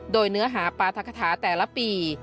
โดยเนื้อหาปราธกฐาแต่ละปี